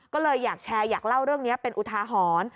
ก็เลยอยากแชร์อยากเล่าเรื่องนี้เป็นอุทาหรณ์